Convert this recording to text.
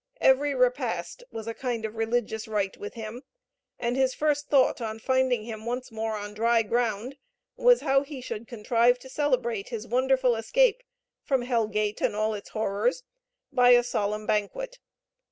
Every repast was a kind of religious rite with him; and his first thought on finding him once more on dry ground was how he should contrive to celebrate his wonderful escape from Hell gate and all its horrors by a solemn banquet.